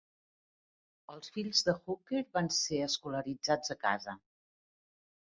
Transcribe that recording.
Els fills de Hooker van ser escolaritzats a casa.